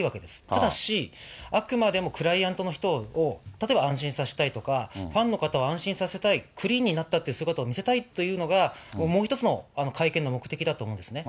ただし、あくまでもクライアントの人を、例えば安心させたいとか、ファンの方を安心させたい、クリーンになったっていう姿を見せたいっていうのが、もう一つの会見の目的だと思うんですね。